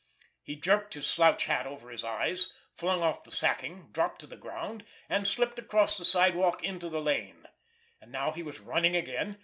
He jerked his slouch hat over his eyes, flung off the sacking, dropped to the ground, and slipped across the sidewalk into the lane. And now he was running again.